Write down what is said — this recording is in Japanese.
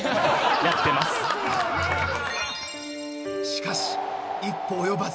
［しかし一歩及ばず］